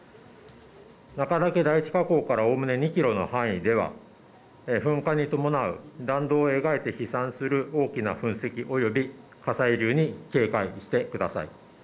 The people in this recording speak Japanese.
中岳第一火口からおおむね２キロの範囲では噴火に伴う弾道を描いて飛散する大きな噴石及び火砕流に警戒してください。